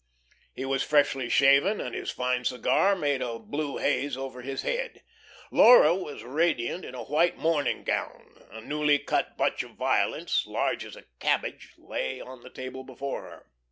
He was freshly shaven, and his fine cigar made a blue haze over his head. Laura was radiant in a white morning gown. A newly cut bunch of violets, large as a cabbage, lay on the table before her.